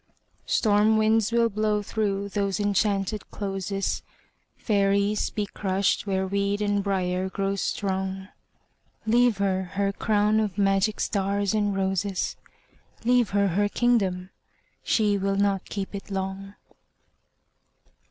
Storm winds will blow through those enchanted closes, Fairies be crushed where weed and briar grow strong ... Leave her her crown of magic stars and roses, Leave her her kingdom—she will not keep it long!